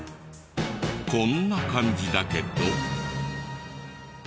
こんな感じだけど。